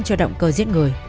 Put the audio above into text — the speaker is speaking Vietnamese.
cho động cơ giết người